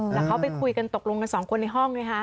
แล้วเขาไปคุยกันตกลงกันสองคนในห้องไงฮะ